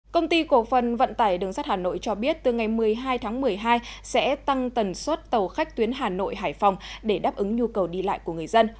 công ty cổ phần vận tải đường sắt hà nội cho biết từ ngày một mươi hai tháng một mươi hai sẽ tăng tần suất tàu khách tuyến hà nội hải phòng để đáp ứng nhu cầu đi lại của người dân